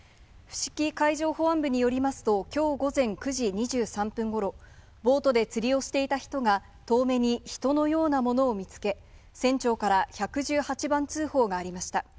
伏木海上保安部によりますと、きょう午前９時２３分ごろ、ボートで釣りをしていた人が、遠目に人のようなものを見つけ、船長から１１８番通報がありました。